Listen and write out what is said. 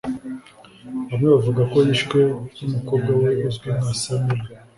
bamwe bavuga ko yishwe n’umukobwa we uzwi nka Samirah